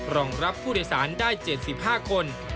รองรับผู้โดยสารได้๗๕คน